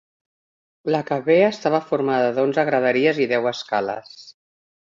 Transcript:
La càvea estava formada d'onze graderies i deu escales.